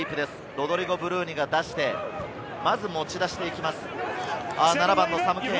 ロドリゴ・ブルーニが出して、まず持ち出していきます。